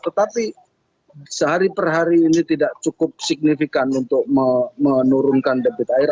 tetapi sehari per hari ini tidak cukup signifikan untuk menurunkan debit air